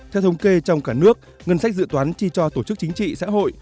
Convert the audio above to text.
theo thống kê trong cả nước ngân sách dự toán chi cho tổ chức chính trị xã hội